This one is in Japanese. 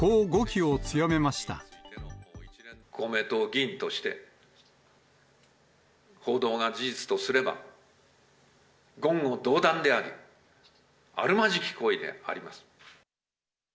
その上で、公明党議員として、報道が事実とすれば、言語道断であり、あるまじき行為であります。